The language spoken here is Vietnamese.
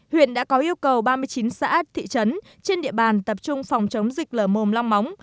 huyện đã có yêu cầu ba mươi chín xã thị trấn trên địa bàn tập trung phòng chống dịch lở mồm long móng